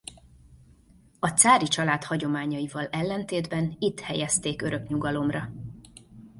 A cári család hagyományaival ellentétben itt helyezték örök nyugalomra.